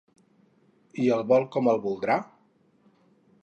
I el vol com el voldrà?